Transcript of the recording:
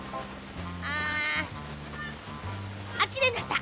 ああっきれいになった！